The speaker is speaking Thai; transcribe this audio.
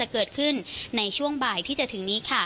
เกิดขึ้นในช่วงบ่ายที่จะถึงนี้